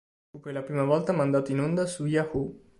Fu per la prima volta mandato in onda su Yahoo!